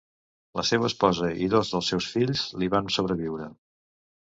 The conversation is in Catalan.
La seua esposa i dos dels seus sis fills li van sobreviure.